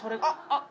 あっ。